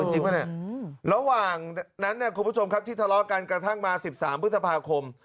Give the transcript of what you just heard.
เฮ่ยนะคะแบบนั้นสิครับที่ทะเลาะกันครั้งตั้งมา๑๓พฤษภาคม